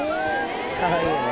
かわいいよね。